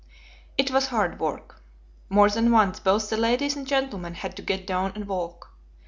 It was hard work. More than once both the ladies and gentlemen had to get down and walk.